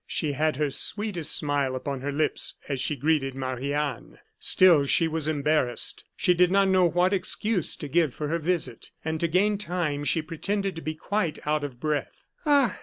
She had her sweetest smile upon her lips as she greeted Marie Anne. Still she was embarrassed; she did not know what excuse to give for her visit, and to gain time she pretended to be quite out of breath. "Ah!